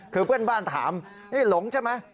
คือเพื่อนบ้านถามนี่หลงใช่ไหม